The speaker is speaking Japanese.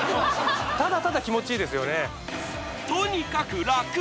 ただただ気持ちいいですよねとにかく楽！